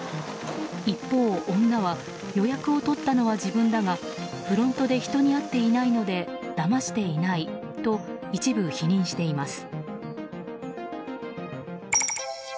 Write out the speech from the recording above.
一方、女は予約をとったのは自分だがフロントで人に会っていないのでだましていないと一部否認しています。